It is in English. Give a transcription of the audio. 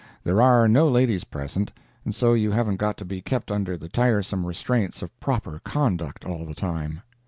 There are no ladies present, and so you haven't got to be kept under the tiresome restraints of proper conduct all the time.